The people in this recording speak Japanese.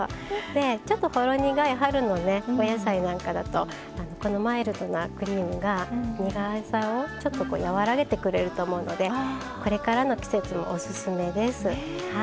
でちょっとほろ苦い春のお野菜なんかだとこのマイルドなクリームが苦さをちょっと和らげてくれると思うのでこれからの季節におすすめです。